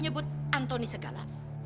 nyebut nyebut antoni segala